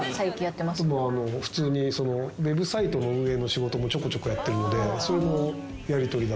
普通にウェブサイトの運営の仕事もちょこちょこやってるのでそれのやりとりだったりとか。